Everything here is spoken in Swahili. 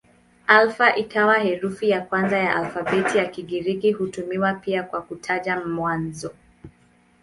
Alfa ikiwa herufi ya kwanza ya alfabeti ya Kigiriki hutumiwa pia kwa kutaja mwanzo.